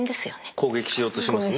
攻撃しようとしますね。